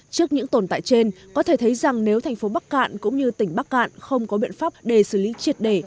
trước những tồn tại trên có thể thấy rằng nếu thành phố bắc cạn cũng như tỉnh bắc cạn không có biện pháp để xử lý triệt để